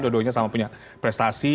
dua duanya sama punya prestasi